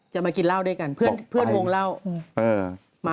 มากินเหล้าด้วยกันเพื่อนวงเล่า